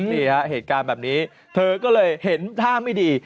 นี่ฮะเหตุการณ์แบบนี้เธอก็เลยเห็นท่าไม่ดี